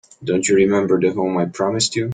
Don't you remember the home I promised you?